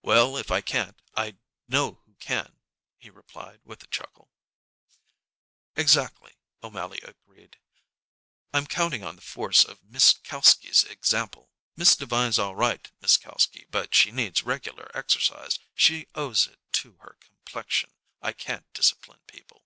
"Well, if I can't, I know who can," he replied, with a chuckle. "Exactly," O'Mally agreed. "I'm counting on the force of Miss Kalski's example. Miss Devine's all right, Miss Kalski, but she needs regular exercise. She owes it to her complexion. I can't discipline people."